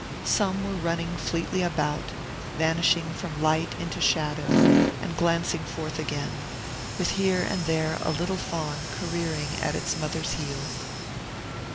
Some were running fleetly about, vanishing from light into shadow and glancing forth again, with here and there a little fawn careering at its mother's heels.